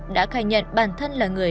đã khai nhận bản thân là người